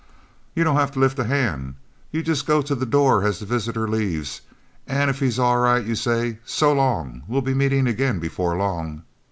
You don't have to lift a hand. You just go to the door as the visitor leaves, and if he's all right you say: 'So long, we'll be meeting again before long.'